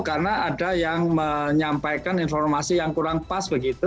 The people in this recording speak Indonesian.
karena ada yang menyampaikan informasi yang kurang pas begitu